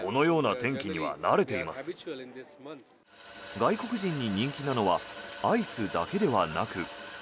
外国人に人気なのはアイスだけではなく。